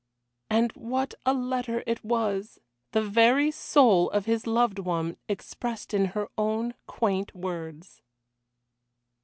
And what a letter it was! The very soul of his loved one expressed in her own quaint words.